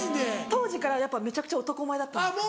当時からやっぱめちゃくちゃ男前だったんですか？